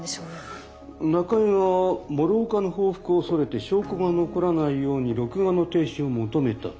中江が諸岡の報復を恐れて証拠が残らないように録画の停止を求めたと。